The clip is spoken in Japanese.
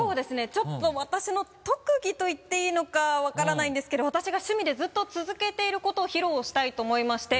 ちょっと私の特技と言っていいのか分からないんですけど私が趣味でずっと続けていることを披露したいと思いまして。